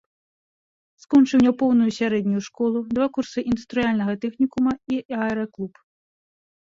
Скончыў няпоўную сярэднюю школу, два курсы індустрыяльнага тэхнікума і аэраклуб.